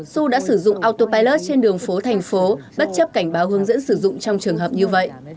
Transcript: dù đã sử dụng autopilus trên đường phố thành phố bất chấp cảnh báo hướng dẫn sử dụng trong trường hợp như vậy